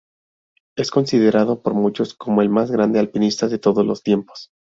Es considerado por muchos como el más grande alpinista de todos los tiempos.